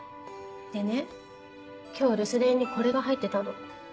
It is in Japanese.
でね今日留守電にこれが入ってたの。